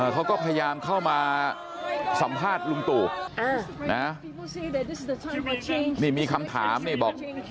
เขาก็พยายามเข้ามาสัมภาษณ์ลุงตู่นี่มีคำถามนี่บอก